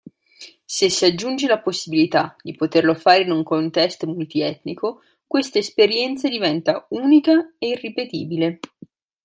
Se si aggiunge la possibilità di poterlo fare in un contesto multietnico, questa esperienza diventa unica e irripetibile.